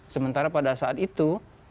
sementara pada saat itu